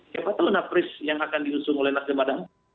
siapa tahu napris yang akan diusung oleh nasden padang